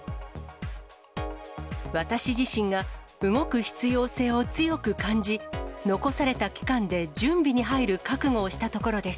私自身が動く必要性を強く感じ、残された期間で準備に入る覚悟をしたところです。